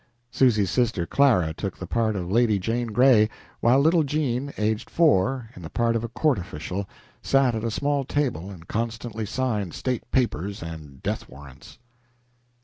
Susy's sister, Clara, took the part of Lady Jane Gray, while little Jean, aged four, in the part of a court official, sat at a small table and constantly signed state papers and death warrants.